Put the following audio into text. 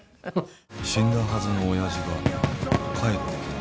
死んだはずの親父が帰ってきた